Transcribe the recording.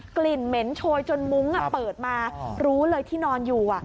กลิ่นเหม็นโชยจนมุ้งเปิดมารู้เลยที่นอนอยู่